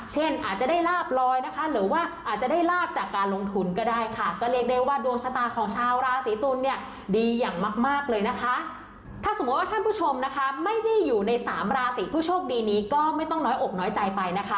สามาราศีผู้โชคดีนี้ก็ไม่ต้องน้อยอบน้อยใจไปนะคะ